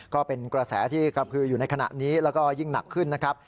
ก็เป็นกระแสที่กระพืออยู่ในขณะนี้แล้วก็ยิ่งหนักขึ้นนะครับ